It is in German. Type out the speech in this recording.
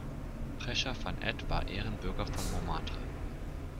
Prescher van Ed war Ehrenbürger von Montmartre.